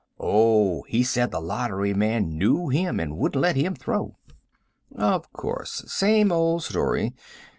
"O, he said the lottery man knew him and wouldn't let him throw." "Of course. Same old story.